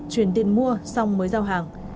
chuyển tiền mua xong mới giao hàng